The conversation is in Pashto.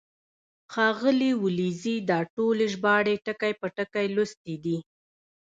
ښاغلي ولیزي دا ټولې ژباړې ټکی په ټکی لوستې دي.